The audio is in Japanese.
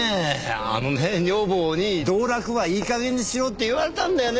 あのね女房に道楽はいい加減にしろって言われたんだよね